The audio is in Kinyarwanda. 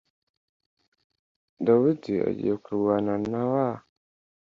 Dawidi agiye kurwana na wa